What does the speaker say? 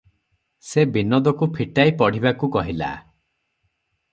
ସେ ବିନୋଦକୁ ଫିଟାଇ ପଢ଼ିବାକୁ କହିଲା ।